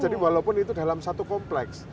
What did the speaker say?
jadi walaupun itu dalam satu kompleks